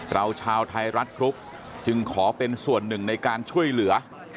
ชาวไทยรัฐกรุ๊ปจึงขอเป็นส่วนหนึ่งในการช่วยเหลือ